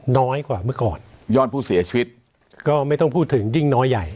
น้อยกว่าเมื่อก่อนยอดผู้เสียชีวิตก็ไม่ต้องพูดถึงยิ่งน้อยใหญ่